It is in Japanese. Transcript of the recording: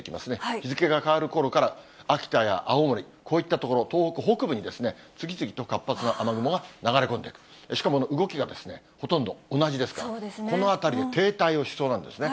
日付が変わるころから、秋田や青森、こういった所、東北北部に次々と活発な雨雲が流れ込んでくる、しかも動きがほとんど同じですから、この辺りに停滞をしそうなんですね。